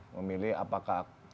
aku milih apakah